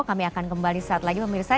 kami akan kembali saat lagi pemirsa